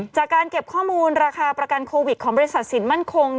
จากการเก็บข้อมูลราคาประกันโควิดของบริษัทสินมั่นคง